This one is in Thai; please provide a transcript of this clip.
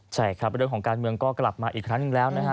ใช่ครับเรื่องของการเมืองก็กลับมาอีกครั้งหนึ่งแล้วนะฮะ